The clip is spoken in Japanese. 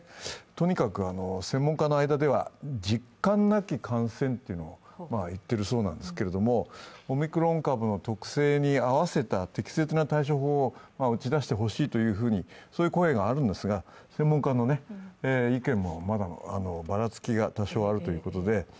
とにかく専門家の間では実感なき感染というのを言っているそうなんですけれども、オミクロン株の特性に合わせた適切な対処法を打ち出してほしいという声があるんですが、専門家の意見もまだばらつきが多少あるということで。